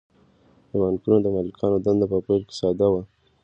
د بانکونو د مالکانو دنده په پیل کې ساده وه